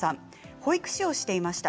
保育士をしていました。